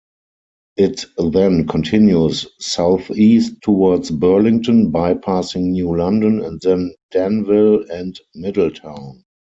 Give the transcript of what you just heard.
It then continues southeast towards Burlington bypassing New London and then Danville and Middletown.